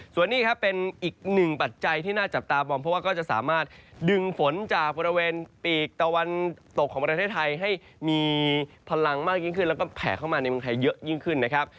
ส่วนนี้ครับเป็นอีกหนึ่งปัจจัยที่น่าจับตามองเพราะว่าก็จะสามารถดึงฝนจากบริเวณปีกตะวันตกของประเทศไทยให้มีพลังมากยิ่งขึ้นแล้วก็แผ่เข้ามาในเมืองไทยเยอะยิ่งขึ้นนะครับ